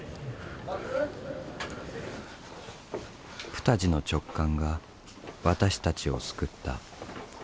プタジの直感が私たちを救った。